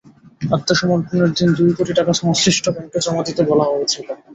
আত্মসমর্পণের দিন দুই কোটি টাকা সংশ্লিষ্ট ব্যাংকে জমা দিতে বলা হয়েছিল।